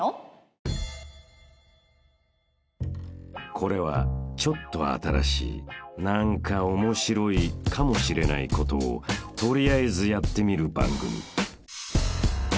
［これはちょっと新しい何かオモシロいかもしれないことを取りあえずやってみる番組］